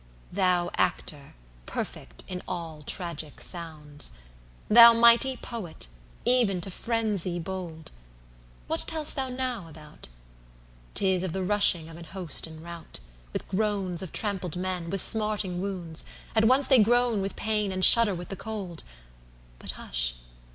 Thou Actor, perfect in all tragic sounds! Thou mighty Poet, even to frenzy bold! What tell'st thou now about?'Tis of the rushing of an host in rout, With groans of trampled men, with smarting wounds—At once they groan with pain and shudder with the cold! But hush!